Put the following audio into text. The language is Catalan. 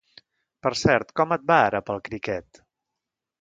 Per cert, com et va ara pel cricket?